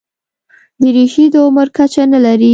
دریشي د عمر کچه نه لري.